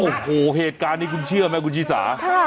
โอ้โหเหตุการณ์นี้คุณเชื่อไหมคุณชีสา